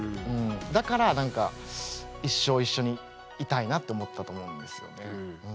だから一生一緒にいたいなって思ったと思うんですよね。